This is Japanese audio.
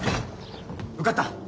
受かった！？